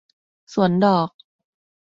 สวนดอก